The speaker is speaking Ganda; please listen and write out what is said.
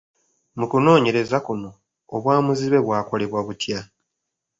Mu kunoonyereza kuno, obwamuzibe bwakolebwa butya?